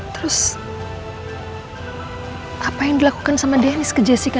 terus apa yang dilakukan sama dennis ke jessica